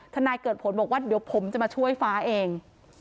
นายเกิดผลบอกว่าเดี๋ยวผมจะมาช่วยฟ้าเอง